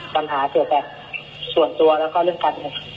ส่วนตัวแล้วก็เรื่องการ